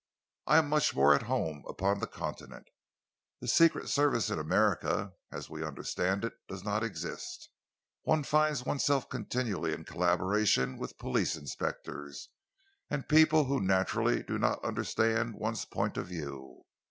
"I am much more at home upon the Continent. The Secret Service in America, as we understand it, does not exist. One finds oneself continually in collaboration with police inspectors, and people who naturally do not understand one's point of view.